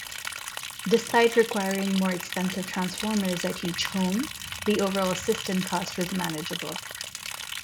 Despite requiring more expensive transformers at each home, the overall system cost was manageable.